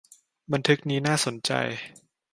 บันทึกนี้น่าสนใจ